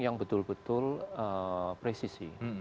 yang betul betul presisi